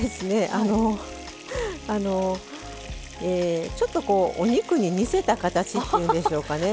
あのちょっとお肉に似せた形っていうんでしょうかね。